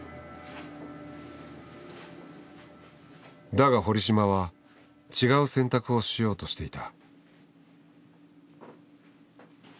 だが堀島は違う選択をしようとしていた。